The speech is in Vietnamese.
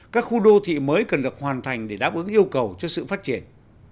các khu đô thị mới cần được hoàn thành để đáp ứng yêu cầu cho sự phát triển